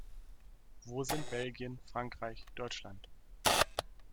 Wo sind Belgien, Frankreich, Deutschland?